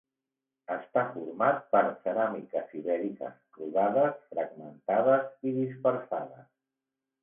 Està format per ceràmiques ibèriques rodades, fragmentades i dispersades.